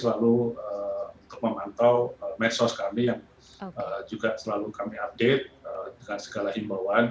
selalu untuk memantau medsos kami yang juga selalu kami update dengan segala himbauan